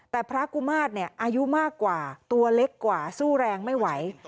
แต่พระกุมาตรอายุมากกว่าตัวเล็กกว่าสู้แรงไม่ไหว